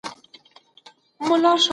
ایټالوي ټولنپوهنه هم د یادولو وړ ده.